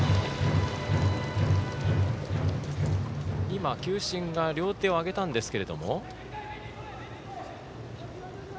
今、球審が両手を上げたんですが。